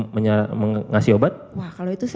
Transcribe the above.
mengasih obat wah kalau itu